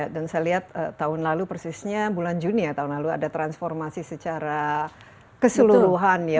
dan saya lihat tahun lalu persisnya bulan juni ya tahun lalu ada transformasi secara keseluruhan ya